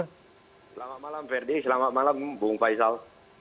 selamat malam ferdi selamat malam bung faisal